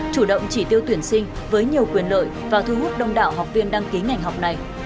chủ động chỉ tiêu tuyển sinh với nhiều quyền lợi và thu hút đông đạo học viên đăng ký ngành học này